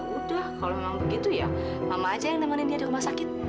udah kalau memang begitu ya mama aja yang nemenin dia di rumah sakit